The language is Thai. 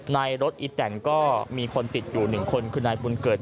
ในรถอีแตนก็มีคนติดอยู่๑คนคือนายบุญเกิด